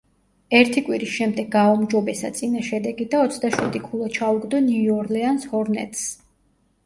ერთი კვირის შემდეგ გააუმჯობესა წინა შედეგი და ოცდაშვიდი ქულა ჩაუგდო ნიუ ორლეანს ჰორნეტსს.